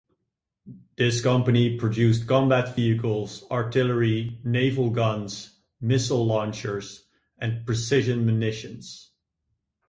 This company produced combat vehicles, artillery, naval guns, missile launchers and precision munitions.